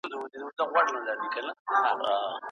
استازي باید له دواړو خواوو سره وویني.